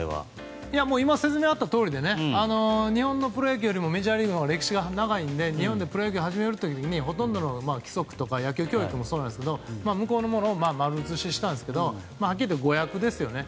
今、説明にあったとおりで日本のプロ野球のほうがメジャーリーグのほうが歴史が長いので日本でプロ野球を始める時にほとんどの規則とか野球教育もそうですけど向こうのものを丸写ししたんですけどはっきり言って誤訳ですよね。